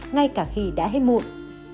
ngay cả khi đã hết mụn